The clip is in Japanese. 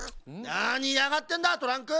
なにいやがってんだトランク！